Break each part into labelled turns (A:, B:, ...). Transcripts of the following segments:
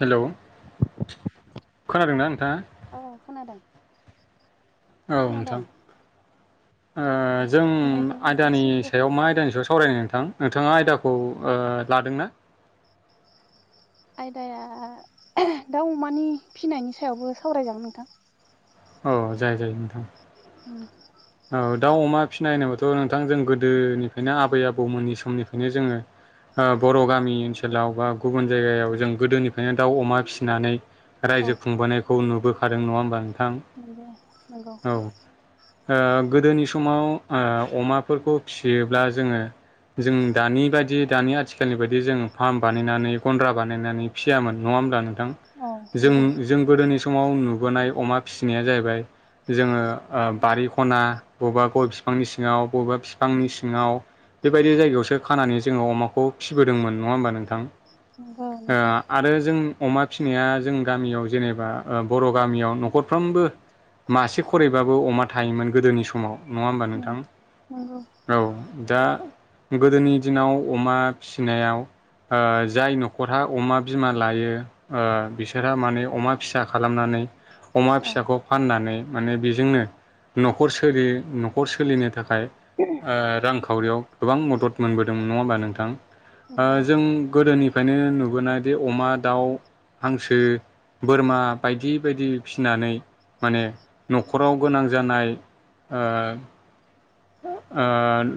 A: Hello खोनादों ना नोंथाङा।
B: औ खोनादों
A: औ
B: खोनादों
A: नोंथां। ओ जों
B: नेटनि
A: आयदानि
B: एसे प्रब्लेम
A: सायाव मा आयदानि सायाव सावरायनो नोंथां नोंथाङा आयदाखौ ओ लादों ना
B: आयदाया दाउ अमानि फिनायनि सायावबो सावरायजागोन नोंथां।
A: औ जायो जायो नोंथां।
B: ओं।
A: औ दाउ अमा फिनाय होनोबाथ' नोंथां जों गोदोनिफ्रायनो आबै आबौमोननि समनिफ्रायनो जोङो ओ बर' गामि ओनसोलाव बा गुबुन जायगायाव जों गोदोनिफ्रायनो दाउ अमा फिनानै।
B: औ
A: रायजो खुंबोनायखौ नुबोखादों नङा होमबा। नोंथां
B: नंगौ नंगौ।
A: ओ‌ गोदोनि समाव ओ अमाफोरखौ फियोब्ला जोङो जों दानि बायदि दानि आथिखालनि बायदि जों फार्म बानायनानै गन्द्रा बानायनानै फिसियामोन नङा‌ होमबा। थां
B: औ
A: जों
B: नंगौ
A: जों गोदोनि सम समाव नुबोनाय अमा फिसिनाया जाहैबाय जोङो ओम बारि खना बबेबा गय फिफांनि सिङाव बबेबा फिफांनि सिङाव बेबायदि जायगायावसो खानानै जोङो अमाखौ फिबोदोंमोन नङा होमबा नोंथां।
B: नंगौ
A: ओ
B: नोंथां
A: आरो जों अमा फिसिनाया जों गामियाव जेनेबा ओ बर' गामियाव न'खरफ्रोमबो। मासे खरैबाबो अमा थायोमोन गोदोनि समाव नङा होमबा नोंथां
B: नंगौ
A: औ। दा गोदोनि दिनाव अमा फिसिनायाव ओ जाय न'खरहा अमा बिमा लायो ओ बिसोरहा माने अमा फिसा खालामनानै अमा
B: औ
A: फिसाखौ फाननानै माने बेजोंनो न'खर सोलि न'खर सोलिनो थाखाय ओ रांखावरियाव गोबां मदद मोनबोदोंमोन नङा होमबा नोंथां ओ
B: नंगौ
A: जों गोदोनि फ्रायनो नुबोनाय बै अमा दाउ हांसो बोरमा बायदि बायदि फिनानै माने न'खराव गोनां जानाय ओ ओ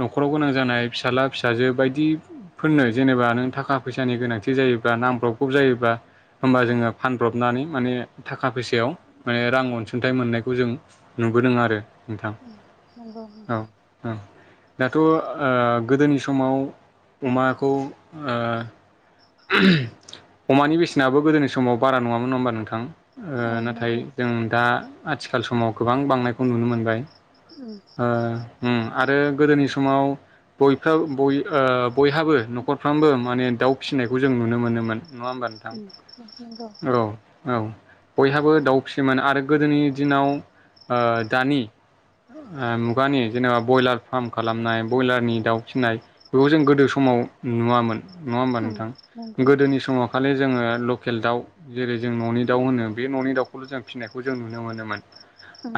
A: न'खराव गोनां जानाय फिसाज्ला फिसाजो बायदिफोरनो जेनेबा नों थाखा फैसानि गो नांथि जायोब्ला नांब्रगौ जायोबा होमबा
B: औ
A: जोङो फानब्रब नानै माने थाखा फैसायाव माने रां अनसुंथाइ मोननायखौ जों नुबोदों आरो नोंथां
B: ओम नंगौ
A: औ
B: नोंथां
A: औ दाथ' ओ गोदोनि समाव अमाखौ ओ [unintelligible] अमानि बेसेनाबो गोदोनि समाव बारा नङामोन नङा होमबा नोंथां
B: औ
A: ओ नाथाय
B: नंगौ
A: जों दा आथिखाल समाव गोबां बांनायखौ नुनो मोनबाय ओ उम आरो गोदोनि समाव बयहा बय ओ बयहाबो न'खरफ्रामबो माने दाउ फिसिनायखौ जों नुनो मोनोमोन नङा होमबा नोंथां
B: नंगौ
A: औ औ बयहाबो दाउ फिसियोमोन आरो गोदोनि दिनाव ओ दानि ओ मुगानि जेनेबा ब्यलार फार्म खालामनाय ब्यलारनि दाउ फिसिनाय बेखौ जों गोदो सम आव नुवामोन नङा होमबा नोंथां
B: नंगौ
A: गोदोनि समाव खालि जोङो लकेल दाउ जेरै- जों न'नि दाउ होनो बे न'नि दाउखौल' जों फिनायखौ जों नुनो मोनोमोन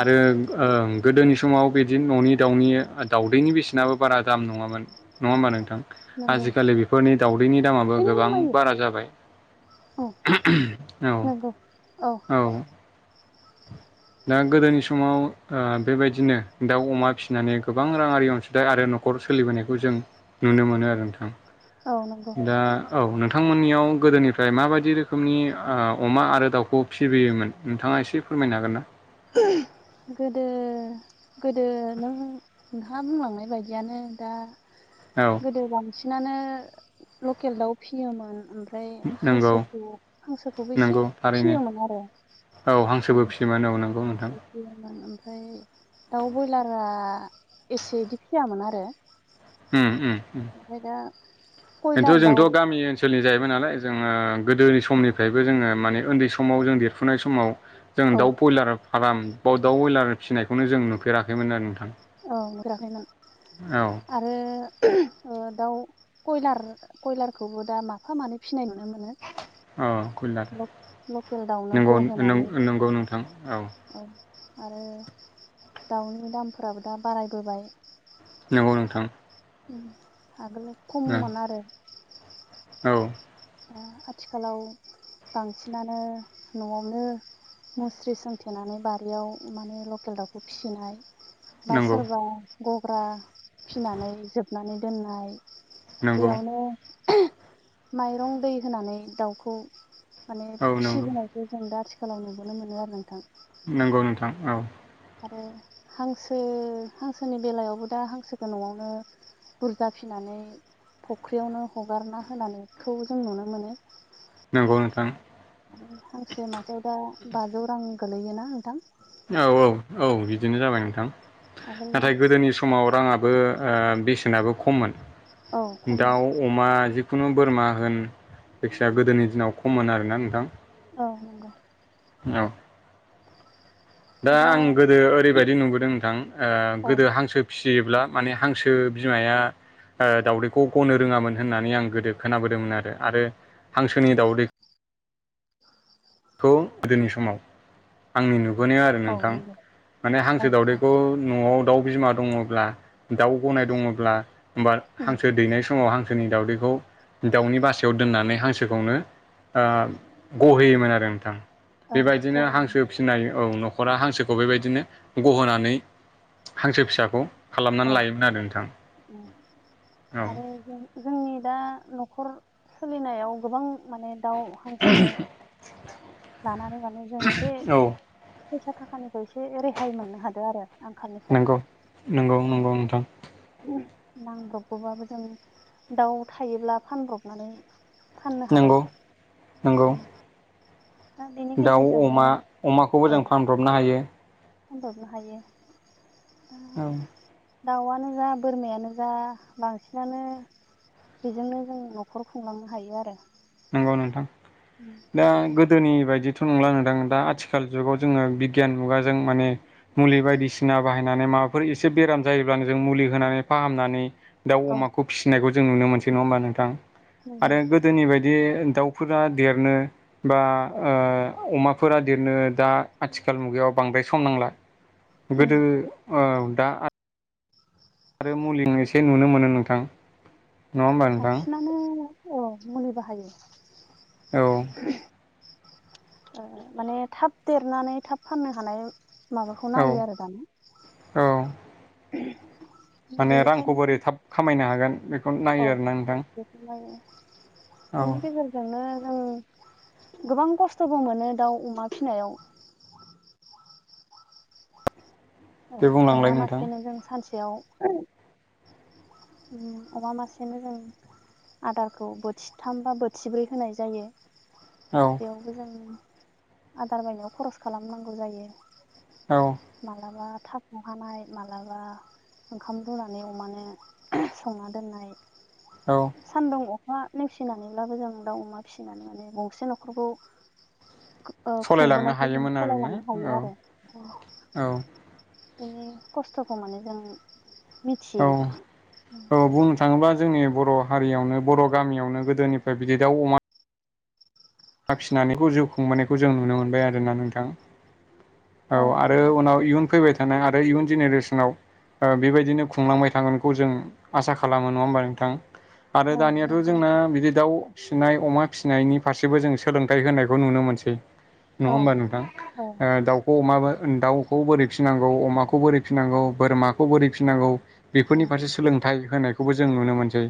A: आरो ओम गोदोनि समाव बिदि न'नि दाउनि दाउदैनि बेसेनाबो बारा दाम नङामोन नङा होमबा नोंथां?
B: नंगौ
A: आजिखालि बेफोरनि दाउदैनि दामाबो
B: ओइ नै
A: गोबां
B: मायो
A: बारा जाबाय।
B: औ
A: [unintelligible] औ
B: नंगौ
A: औ दा गोदोनि समाव ओ बेबायदिनो दाउ अमा फिसिनानै गोबां राङारि अनसुंथाइ आरो न'ख खर सोलिबोनायखौ जों नुनो मोनो आरो नोंथां
B: औ नंगौ
A: दा औ नोंथ नोंथांमोननियाव गोदोनिफ्राय माबायदि रोखोमनि ओ अमा आरो दाउखौ फिबोयोमोन नोंथाङा एसे फोरमायनो हागोन ना?
B: [unintelligible] गोदो गोदो नों नोंहा बुंलांनाय बायदियानो दा
A: औ
B: गोदो बांसिनानो लकेल दाउ फियोमोन ओम फ्राय
A: नंगौ
B: हांसोखौ हांसोखौबो एसे
A: नंगौ थारैनो
B: फियोमोन आर
A: औ हांसोबो फियोमोन औ नंगौ नोंथां
B: हांसो फियोमोन आम फाय दाउ बयलारा एसे इदि फियामोन आरो।
A: उम उम
B: ओमफ्राय दा
A: ओरैनोथ'
B: कयलार दाउ
A: जोंथ' गामि ओनसोल सोलनि जाहैबाय नालाय जोङो गोदोनि समनिफ्रायबो जोङो माने उन्दै समाव जों देरफुनाय समाव जों
B: औ
A: दाउ बयलार फार्म बाव दाउ बयलार फिनायखौनो जों नुफेराखैमोन आरो नोंथां।
B: औ नुफेराखैमोन
A: औ
B: आरो ओ दाउ कयलार कयलारखौबो दा माफा मानै फिनाय नुनो मोनो।
A: औ कुइलार
B: ल-लकेल दाउनो
A: नंगौ
B: गहोनानै
A: नंगौ नोंथां
B: औ आरो दाउनि दामफोराबो दा बारायबोबाय
A: नंगौ नोंथां।
B: ओम आगोल खममोन आरो
A: औ
B: दा आथिखालाव बांसिनानो न'आवनो मुस्रि सोमथेनानै बारियाव माने लकेल दाउखौ फिसिनाय बा
A: नंगौ
B: सोरबा गग्रा फिनानै जोबनानै दोननाय
A: नंगौ
B: बेयावनो [unintelligible] माइरं दै होनानै दाउखौ माने
A: औ नंगौ
B: फिबोनायखौ जों दा आथिखालाव नुबोनो मोनो आरो नोंथां।
A: नंगौ नोंथां औ
B: आरो हांसो हांसोनि बेलायावबो दा हांसोखौ न'आवनो बुरजाफिना नै फुख्रियावनो हगारना होनानैखौ जों नुनो मोनो।
A: नंगौ नोंथां।
B: आरो हांसो मासेयाव दा बाजौ रां गोलैयोना नोंथां
A: औ औ औ बिदिनो जाबाय नोंथां
B: आगोल
A: नाथाय गोदोनि समाव राङा बो ओ बेसेनाबो खम्मोन
B: औ खममोन
A: दाव अमा जिखु खुनु बोरमा होन जायखिजाया गोदोनि दिनाव खममोन आरोना नोंथां
B: औ नांगौ
A: औ दा आं गोदो ओरैबायदि नुबोदों नोंथां ओ
B: औ
A: गोदो हांसो फिसियोब्ला माने हांसो बिमाया दाउदैखौ गनो रोङामोन होननानै आं गोदो खोनाबोदोंमोन आरो आरो हांसोनि दाउदै [inaudible] खौ गोदोनि समाव आंनि नु बोनायाव आरो
B: औ
A: नोंथां
B: नंगौ
A: माने
B: औ
A: हांसो
B: औ
A: दावदैखौ न'आव दाउ बिमा दङब्ला दाउ गनाय दङब्ला हा
B: उम
A: हांसो दैनाय समाव हांसो हांसोनि दाउदैखौ दाउनि बासायाव दोननानै हांसोखौनो ओ गहोयोमोन आरो नोंथां बेबायदिनो हांसो फिनाय औ न'खरा हांसोखौ बेबायदिनो गहोनानै हांसो फिसाखौ खालामनानै
B: औ
A: लायोमोन आरो नोंथां औ
B: आरो जोंनि दा न'खर सोलिनायाव गोबां माने दाउ हांसो लानानै माने जों एसे
A: औ
B: फैसा थाखानिफ्राय एसे रेहाय मोननो हादों आरो आंखालनिफ्राय
A: नंगौ नंगौ नंगौ नोंथां
B: नांब्रबगौबाबो जों दाउ थायोब्ला फानब्रबनानै फाननो
A: नंगौ
B: हाबाय
A: नंगौ
B: दा बेनि
A: दाउ
B: गेजेरजोंनो
A: अमा अमाखौबो जों फानब्रबनो हायो
B: फानब्रनो हायो
A: औ
B: दावानो जा बोरमायानो जा बांसिनानो बेजोंनो जों न'खर खुंलांनो हायो आरो
A: नंगौ नोंथां दा गोदोनि बायदि बिदिथ' नंला नोंथां दा आथिखाल जुगाव जोङो बिगियान मुगाजों माने मुलि बायदिसिना बाहायनानै माबाफोर एसे बेराम जायोब्लानो जों मुलि होनानै फाहामनानै दाउ
B: औ
A: अमाखौ फिसिनायखौ जों नुनो मोनसै नङा होमबा नोंथां
B: नंगौ
A: आरो गोदोनि बायदि बिदि दाउफोरा देरनो बा ओ अमाफोरा देरनो दा आथिखाल आथिखाल मुगायाव बांद्राय सम नांला गोदो ओ दा आरो मुलि एसे नुनो मोनो नोंथां नङा होमबा नोंथां
B: बांसिनानो औ मुलि बाहायो
A: औ
B: माने थाब देरनानै थाब फाननो हानाय माबाखौ
A: औ
B: नायो आरो दाना
A: औ माने रांखौ
B: बेनिखायनो
A: बोरै थाब खामायनो हागोन बेखौ नायो आरोना नोंथां औ
B: बिनि गेजेरजोंनो जों गोबां खस्थ'बो मोनो दाउ अमा फिसिनायाव औ
A: दे बुंलांलाय
B: अमा
A: नोंथां
B: मासेनो जों सानसेयाव अमा मासेनो जों आदारखौ बोथिथाम बा बोथिब्रै होनाय जायो
A: औ
B: बेयावबो जों आदार बायनायाव खरस खालामनांगौ जायो
A: औ
B: मालाबा थास' हानाय माब्लाबा ओंखाम रुनानै अमानो संना दोननाय
A: औ
B: सान्दुं अखा नेवसिनानैब्लाबो जों दाउ अमा फिसिनानै माने गंसे न'खरखौ
A: सालायलांनो
B: खुंबोनायखौ जों
A: हायोमोन आरोना
B: सालायलांनो
A: औ
B: हायो आरो
A: औ
B: बिनि खस्थ'खौ माने जों
A: औ
B: मिथियो
A: औ बुंनो थाङोब्ला जोंनि बर' हारियावनो बर' गामियावनो गोदोनिफ्राय बिदि दाउ अमा फिसिनानै जिउ खुंबोनायखौ जों नुनो मोनबाय आरोना नोंथां औ आरो उनाव इयुन फैबाय थानाय आरो इयुन जेनेरेसनाव बेबायदिनो खुंलांबाय थागोनखौ जों आसा खालामो नङा होमबा नोंथां आरो
B: औ
A: दानियाथ'
B: नंगौ
A: जोंना बिदि दाउ फिसिनाय अमा फिसिनायनि फारसे गासिबो जों सोलोंथाइ होनायखौ नुनो मोनसै नङा
B: औ
A: होमबा नोंथां
B: औ
A: दाउखौ अमाबो दाउखौ बोरै फिनांगौ अमाखौ बोरै फिनांगौ बोरमाखौ बोरै फिनांगौ बेफोरनि
B: उम
A: फारसे सोलोंथाइ होनायखौबो जों नुनो मोनसै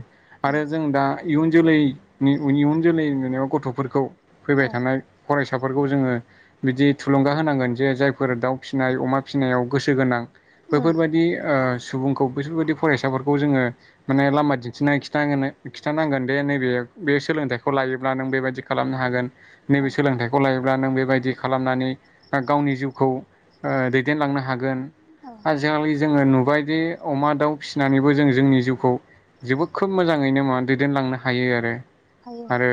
B: उम
A: आरो जों दा इयुन जोलैनि इयुन जोलै गथ'फोरखौ फैबाय
B: औ
A: थानाय फरायसाफोरखौ जोङो बिदि थुलुंगा होनांगोन जे जायफोर दाउ फिसिनाय अमा फिसिनायाव गोसो गोनां बेफोर
B: उम
A: बायदि सुबुंखौ बेफोरबायाददि फरायसाफोरखौ जोङो माने लामा दिन्थिनानै खिथोन खिन्थानांगोन दे नैबे बे सोलोंथाइखौ लायोब्ला नों बेबायदि खालामनो हागोन नैबे
B: औ
A: सोलोंथाइखौ लायो अ नों बेबायदि खालामनानै गावनि जिउखौ दैदेनलांनो हागोन
B: औ
A: आजिखालि जोङो नुबायदि अमा दाउ फिसिनानैबो जों जोंनि जिउखौ जोबोद खोब मोजाङैनो मा दैदेनलांनो हायो आरो
B: हायो
A: आरो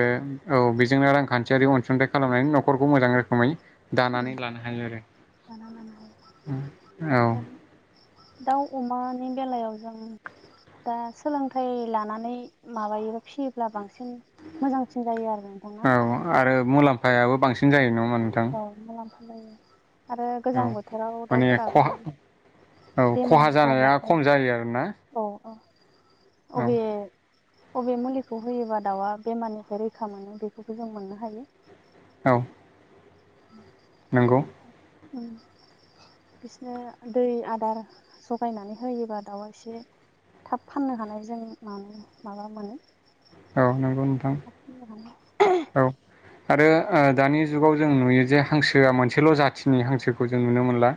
A: औ बेजोंनो रांखान्थियारि अनसुंथाइ खालामनानै न'खरखौ मोजां रोखोमै दानानै
B: उम
A: लानो हायो आरो
B: दाना लानो हायो
A: औ
B: दाउ अमानि बेलायाव जों दा सोलोंथाइ लानानै माबायोबा फिसियोब्ला बांसिन बांसिन मोजांसिन जायो आरो नोंथाङा
A: फायाबो बांसिन जायो नङा होमबा नोंथां
B: औ मुलाम्फा जायो आरो
A: औ
B: गोजां बोथोराव
A: माने
B: दाउफोराबो
A: खहा औ
B: बेमार
A: खहा जानाया
B: जाबाथाय
A: खम जायो आरोना
B: अ
A: औ
B: बे बबे मुलिखौ होयोबा दाउआ बेमारनिफ्राय रैखा मोनो बेखौबो जों मोननो हायो
A: औ नंगौ
B: अ बिसनो दै आदार जगायनानै होयोबा दाउआ एसे थाब फाननो हानाय जों मानो माबा मोनो
A: औ नंगौ नोंथां
B: फाननो हानाय
A: औ आरो दानि जुगाव जों नुयो जे हांसोआ मोनसेल' जाथिनि हांसोखौ जों नुनो मोनला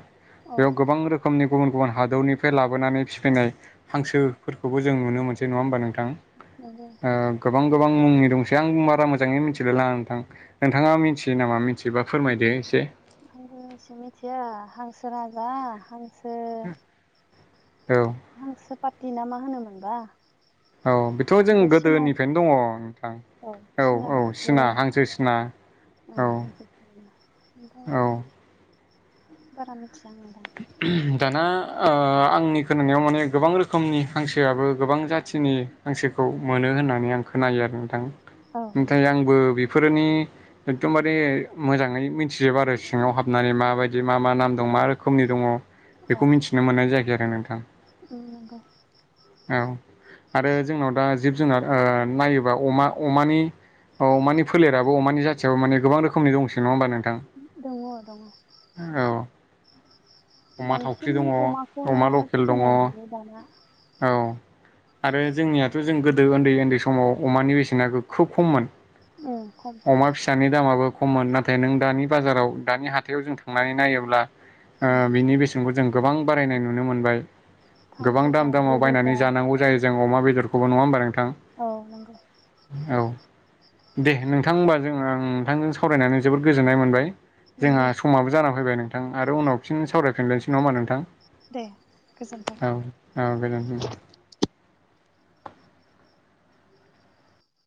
B: औ
A: बेयाव गोबां रोखोमनि गुबुन गुबुन हादरनिफ्राय लाबोनानै फिफैनाय हांसोफोरखौबो जों नुनो मोनसै नङा होमबा नोंथां।
B: नंगौ
A: गोबां गोबां मुंनि दंसै आं बारा मोजाङै मिथिलायला नोंथां नोंथाङा मिथियो नामा मिथियोबा फोरमायदो एसे
B: आ मिसे मिथिया हांसो राजा हांसो
A: औ
B: हांसो पार्टि ना मा होनोमोनबा
A: औ बेथ' जों
B: ओमफ्राय सिना
A: गोदोनिफ्रायनो दङ औ
B: सिना
A: औ
B: हांसो
A: सिना हांसो सिना औ औ
B: बारा मिथिया आं नोंथां
A: दाना आंनि खोनानायाव माने गोबां रोखोमनि हांसोआबो गोबां जाथिनि हांसोखौ मोनो। होननानै आं खोनायो आरो नोंथां
B: औ
A: नाथाय
B: नंगौ
A: आंबो बेफोरनि एखदमबारे मोजाङै मिथिजोबा आरो सिङाव हाबनानै माबायदि मा मा नाम दं मा रोखोम रोखोमनि दङ बेखौ मिथिनो मोननाय जायाखै आरो नोंथां
B: नंगौ
A: औ आरो जोंनाव दा जिब जुनार नायोबा अमा अमानि औ अमानि फोलेराबो अमानि जाथियाव मान गोबां रोखनि दंस नङा होनोमबा नों
B: दङ दङ
A: औ अमा थावख्रि
B: बांसिन
A: दङ
B: अमाखौनो
A: अमा लकेल दङ
B: फिनाय नुयो दाना।
A: औ आरो जोंनियाथ' जों गोदो उन्दै उन्दै समाव अमानि बेसेना खोब खममोन।।
B: खम
A: अमा फिसानि दामाबो खममोन नाथाय नों दानि बाजाराव दानि हाथायाव जों थांनानै नायोब्ला। ओ बिनि बेसेनखौ जों गोबां बारायनाय नुनो मोनबाय।
B: थाम
A: गोबां दाम
B: रोजा ब्रै रोजा
A: बायनानै जानांग जायो जों अमा बेदरखौबो नङा होमबा नों‌ थां
B: औ नंगौ
A: औ दे नोंथां होनब जों आं नोंथांजों सावरायनानै जोबोद गोजोननाय मोनबाय। जोंहा
B: नंगौ
A: समाबो जाना फैबाय नोंथां, आरो उनाव फिन सावरायफिननोसै नामा नोंथां?
B: दे गोजोन्थों।
A: आ बे